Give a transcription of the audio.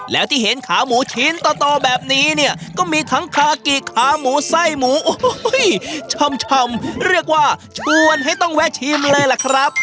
แล้วที่เห็นขาหมูชิ้นต่อแบบนี้เนี่ยก็มีทั้งคากิขาหมูไส้หมูโอ้โหชำเรียกว่าชวนให้ต้องแวะชิมเลยล่ะครับ